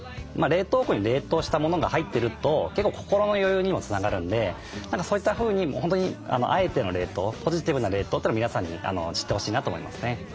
冷凍庫に冷凍したものが入ってると結構心の余裕にもつながるんでそういったふうに本当にあえての冷凍ポジティブな冷凍というのを皆さんに知ってほしいなと思いますね。